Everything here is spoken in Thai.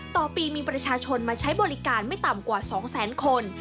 ต่อปีมีประชาชนมาใช้บริการไม่ต่ำกว่า๒แสนคน